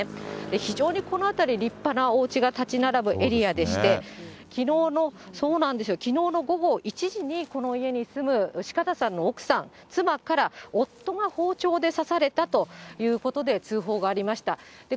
非常にこの辺り、立派なおうちが建ち並ぶエリアでして、きのうの午後１時にこの家に住む四方さんの奥さん、妻から夫が包丁で刺されたということで、通報がありました。